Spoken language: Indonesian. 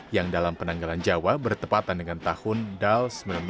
yang dalam penanggalan jawa bertepatan dengan tahun dal seribu sembilan ratus sembilan puluh